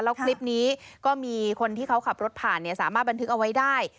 แล้วคลิปนี้ก็มีคนที่เขาขับรถผ่านสามารถบันทึกเอาไว้ได้